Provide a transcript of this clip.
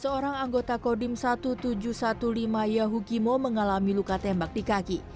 seorang anggota kodim seribu tujuh ratus lima belas yahukimo mengalami luka tembak di kaki